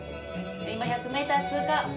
今１００メーター通過。